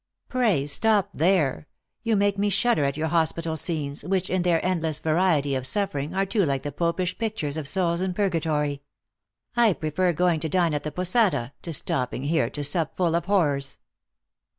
"Pray stop there ; you make me shudder at your hospital scenes, which, in their endless variety of suffering are too like the Popish pictures of souls in Purgatory. I prefer going to dine at the posada, to stopping here to sup full of horrors."